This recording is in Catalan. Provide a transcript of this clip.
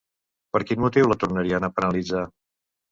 Per quin motiu la tornarien a penalitzar?